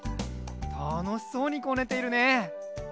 たのしそうにこねているね。